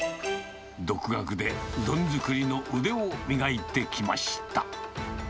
独学でうどん作りの腕を磨いてきました。